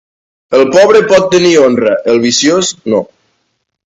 El pobre pot tenir honra; el viciós, no.